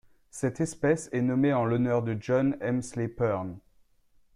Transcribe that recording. Cette espèce est nommée en l'honneur de John Hemsley Pearn.